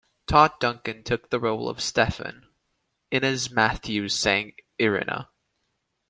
Todd Duncan took the role of Stephen; Inez Matthews sang Irina.